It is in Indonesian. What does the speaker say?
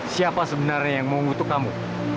siapa sebenarnya yang mengutuk kamu